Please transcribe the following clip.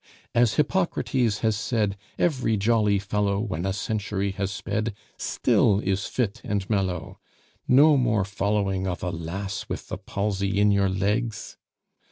As Hippocrates has said, Every jolly fellow, When a century has sped, Still is fit and mellow. No more following of a lass With the palsy in your legs?